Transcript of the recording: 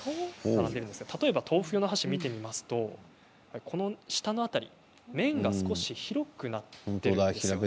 例えば豆腐用の箸を見てみますと下の辺り、面が少し広くなっていますね。